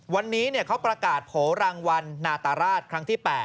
วันนี้เขาประกาศโผล่รางวัลนาตราชครั้งที่๘